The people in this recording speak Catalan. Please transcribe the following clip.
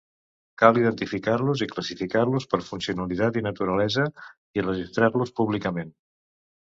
Cal identificar-los i classificar-los per funcionalitat i naturalesa i registrar-los públicament.